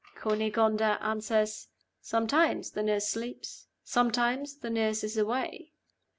Cunegonda answers, 'Sometimes the nurse sleeps; sometimes the nurse is away.